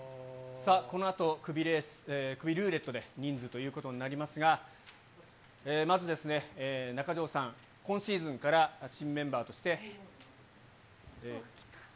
さあ、このあとクビルーレットで人数ということになりますが、まず、中条さん、今シーズンから新メンバーとして。